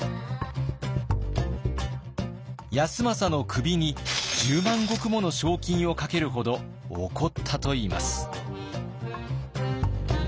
康政の首に１０万石もの賞金をかけるほど怒ったといいます。